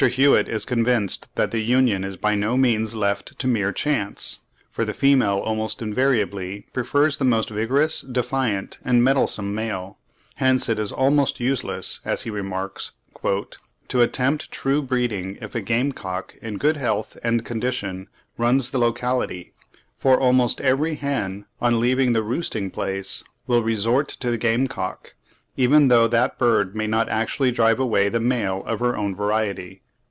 Hewitt is convinced that the union is by no means left to mere chance, for the female almost invariably prefers the most vigorous, defiant, and mettlesome male; hence it is almost useless, as he remarks, "to attempt true breeding if a game cock in good health and condition runs the locality, for almost every hen on leaving the roosting place will resort to the game cock, even though that bird may not actually drive away the male of her own variety."